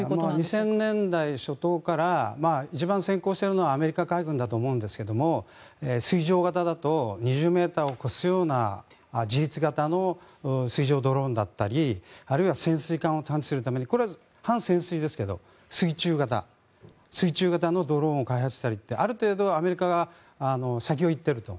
２０００年代初頭から一番先行しているのはアメリカ海軍だと思うんですが水上型だと２０ｍを超すような自立型の水上ドローンだったりあるいは潜水艦を探知するためにこれは半潜水ですけど水中型のドローンを開発したりってある程度はアメリカが先を行っていると。